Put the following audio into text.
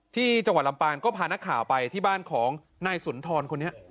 ที่จังหวัดลำปางก็พานักข่าวไปที่บ้านของนายสุนทรคนนี้